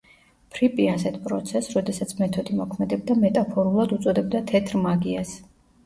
ფრიპი ასეთ პროცესს, როდესაც მეთოდი მოქმედებდა, მეტაფორულად უწოდებდა „თეთრ მაგიას“.